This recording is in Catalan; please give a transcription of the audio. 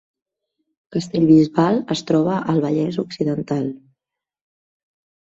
Castellbisbal es troba al Vallès Occidental